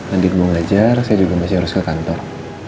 andin mau belajar saya juga masih harus ke kantor